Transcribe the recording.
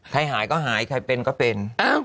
หายก็หายใครเป็นก็เป็น